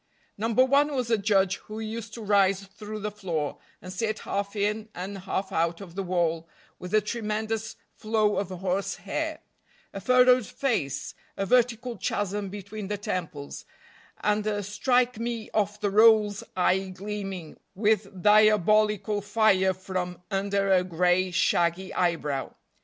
No. 1 was a judge who used to rise through the floor, and sit half in and half out of the wall, with a tremendous flow of horse hair, a furrowed face, a vertical chasm between the temples, and a strike me off the rolls eye gleaming with diabolical fire from under a gray, shaggy eyebrow.